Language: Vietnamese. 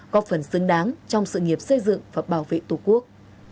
góp phần xứng đáng trong sự nghiệp xây dựng và bảo vệ tổ quốc